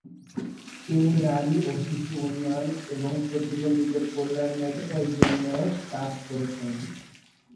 তিনি নারী ও শিশু উন্নয়ন এবং প্রতিবন্ধীদের কল্যাণের জন্যও কাজ করেছেন।